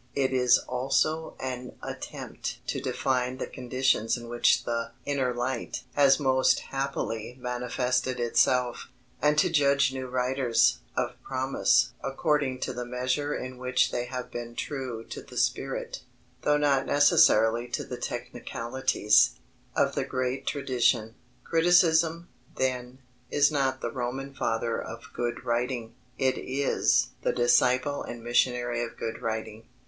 It is also an attempt to define the conditions in which the "inner light" has most happily manifested itself, and to judge new writers of promise according to the measure in which they have been true to the spirit, though not necessarily to the technicalities, of the great tradition. Criticism, then, is not the Roman father of good writing: it is the disciple and missionary of good writing.